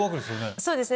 そうですね。